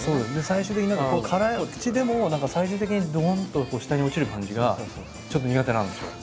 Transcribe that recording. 最終的に何か辛口でも何か最終的にドンと下に落ちる感じがちょっと苦手なんですよ。